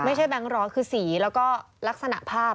แบงค์ร้อยคือสีแล้วก็ลักษณะภาพ